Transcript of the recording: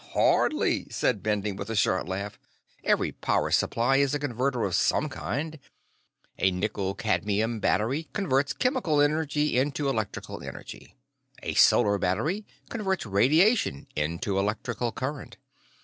"Hardly," said Bending with a short laugh. "Every power supply is a converter of some kind. A nickel cadmium battery converts chemical energy into electrical energy. A solar battery converts radiation into electrical current.